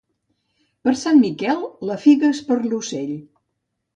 Per Sant Miquel, la figa és per a l'ocell.